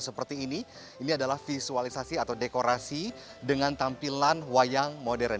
seperti ini ini adalah visualisasi atau dekorasi dengan tampilan wayang modern